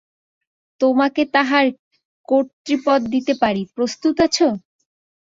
তোমাকে তার কর্ত্রীপদ দিতে পারি, প্রস্তুত আছ?